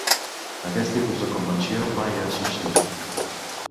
Aquest tipus de convenció mai ha succeït.